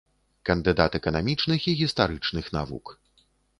Кандыдат эканамічных і гістарычных навук.